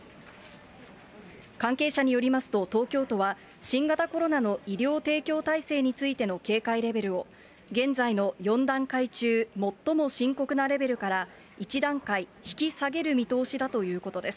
関係者によりますと、東京都は新型コロナの医療提供体制についての警戒レベルを、現在の４段階中最も深刻なレベルから、１段階引き下げる見通しだということです。